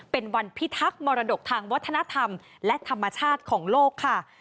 เป็นวันพิทักษ์มรดกทางวัฒนธรรมและธรรมชาติของโลกค่ะ